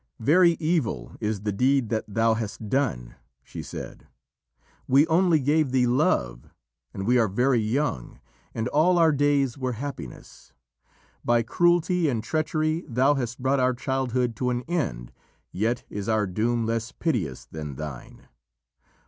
"Very evil is the deed that thou hast done," she said. "We only gave thee love, and we are very young, and all our days were happiness. By cruelty and treachery thou hast brought our childhood to an end, yet is our doom less piteous than thine.